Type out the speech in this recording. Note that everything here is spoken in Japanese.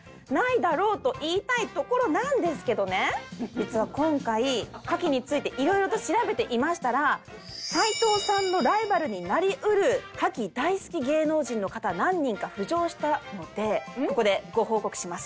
実は今回牡蠣についていろいろと調べていましたら齊藤さんのライバルになり得る牡蠣大好き芸能人の方何人か浮上したのでここでご報告します。